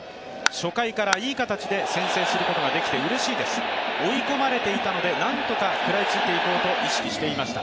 初回からいい形で先制することができてうれしいです、追い込まれていたのでなんとか食らいついていこうと意識していました